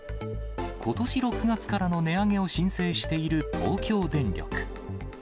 ことし６月からの値上げを申請している東京電力。